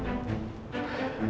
masih masih yakin